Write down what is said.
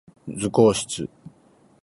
図工室